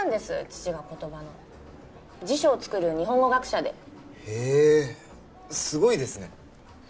父が言葉の辞書を作る日本語学者でへえすごいですね